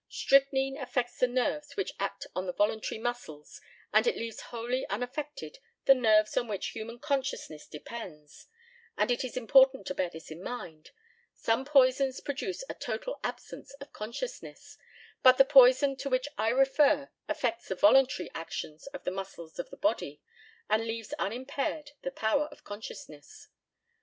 Strychnine affects the nerves which act on the voluntary muscles, and it leaves wholly unaffected the nerves on which human consciousness depends; and it is important to bear this in mind some poisons produce a total absence of consciousness, but the poison to which I refer affects the voluntary action of the muscles of the body, and leaves unimpaired the power of consciousness.